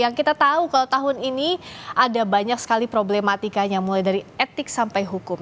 yang kita tahu kalau tahun ini ada banyak sekali problematikanya mulai dari etik sampai hukum